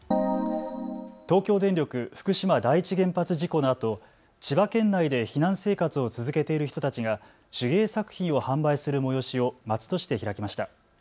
東京電力福島第一原発事故のあと千葉県内で避難生活を続けている人たちが手芸作品を販売する催しを松戸市で開きました。